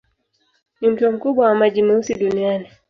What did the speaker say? Ni mto mkubwa wa maji meusi duniani.